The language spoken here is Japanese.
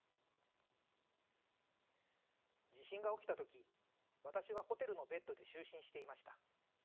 地震が起きた時私はホテルのベッドで就寝していました。